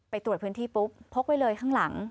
ตรวจพื้นที่ปุ๊บพกไว้เลยข้างหลัง